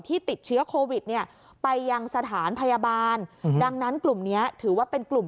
ติดเชื้อโควิดเนี่ยไปยังสถานพยาบาลดังนั้นกลุ่มนี้ถือว่าเป็นกลุ่ม